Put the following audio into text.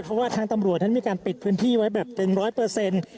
เพราะว่าทางตำรวจมันมีการปิดพื้นที่ไว้แบบเป็น๑๐๐